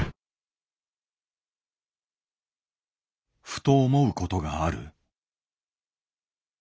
ふと思うことがある。